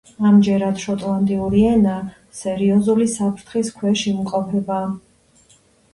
ამდენად, შოტლანდიური ენა სერიოზული საფრთხის ქვეშ იმყოფება.